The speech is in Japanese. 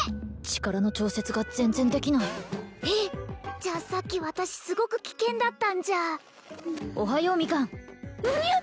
力の調節が全然できないえっじゃあさっき私すごく危険だったんじゃおはようミカンむにゃ！？